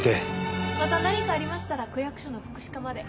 また何かありましたら区役所の福祉課まで。